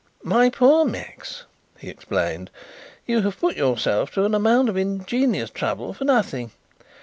"My poor Max," he explained, "you have put yourself to an amount of ingenious trouble for nothing.